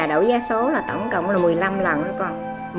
đổ giá số là tổng cộng là một mươi năm lần đó con